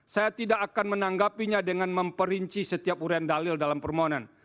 saya tidak akan menanggapinya dengan memperinci setiap urian dalil dalam permohonan